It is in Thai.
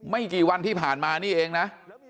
ไม่กี่วันที่ผ่านมานี่เองนะ